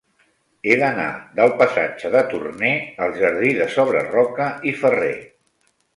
He d'anar del passatge de Torné al jardí de Sobreroca i Ferrer.